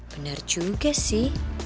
bener juga sih